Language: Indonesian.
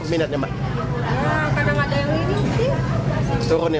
berarti berkurang ya mbak harganya mahal ini